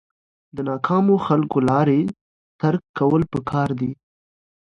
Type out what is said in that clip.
د ناکامو خلکو لارې ترک کول پکار دي.